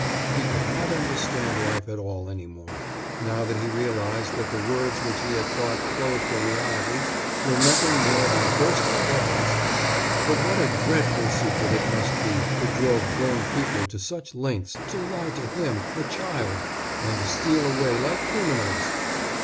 He could not understand life at all any more, now that he realized that the words which he had thought clothed a reality were nothing more than bursting bubbles. But what a dreadful secret it must be that drove grown up people to such lengths, to lie to him, a child, and to steal away like criminals!